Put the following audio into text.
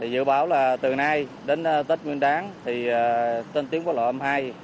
dự báo là từ nay đến tết nguyên đáng thì tên tiếng quốc lộ m hai